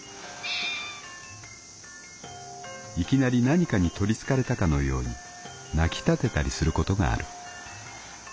「いきなり何かにとりつかれたかのように鳴き立てたりすることがある。